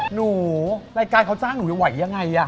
รายการเขาจ้างหนูไหวยังไง